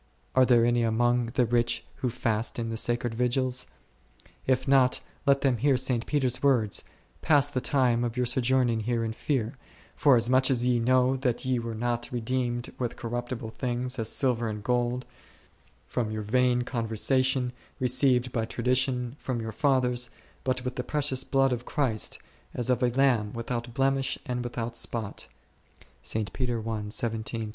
Are there any among the rich who fast in the sacred vigils ? If not, let them hear St. Peter's words, Pass the time of your sojourning here in fear, forasmuch as ye know that ye were not redeemed with corruptible things, as silver and gold, from your vain conversation, received by tradition from your fathers, but with the precious Blood of Christ, as of a Lamb without blemish and without spot n